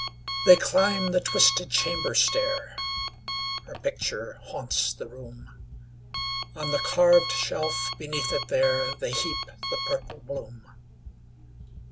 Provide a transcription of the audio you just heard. They climb the twisted chamber stair; Her picture haunts the room; On the carved shelf beneath it there, They heap the purple bloom.